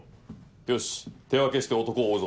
よし手分けして男を追うぞ。